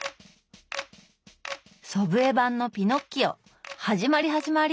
祖父江版の「ピノッキオ」始まり始まり。